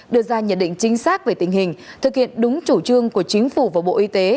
đưa ra nhận định chính xác về tình hình thực hiện đúng chủ trương của chính phủ và bộ y tế